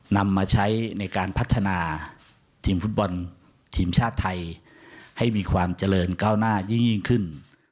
นำมาใช้ในการพัฒนาทีมฟุตบอลทีมชาติไทยให้มีความเจริญก้าวหน้ายิ่งขึ้น